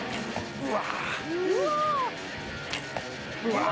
うわ